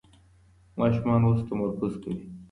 ماشوم اوس تمرکز کوي.